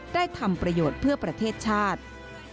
ทำประโยชน์เพื่อประเทศชาติ